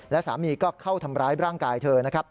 และสามีก็เข้าทำร้ายร่างกายเธอนะครับ